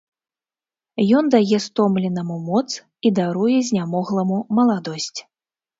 Ён дае стомленаму моц і даруе знямогламу маладосць.